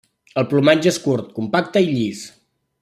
El plomatge és curt, compacte i llis.